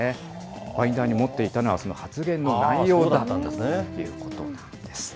バインダーに持っていたのは、その発言の内容だったということなんです。